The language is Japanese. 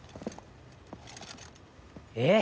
えっ？